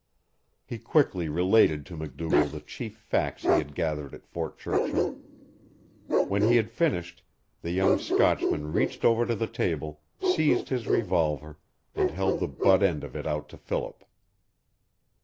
He quickly related to MacDougall the chief facts he had gathered at Fort Churchill. When he had finished, the young Scotchman reached over to the table, seized his revolver, and held the butt end of it out to Philip.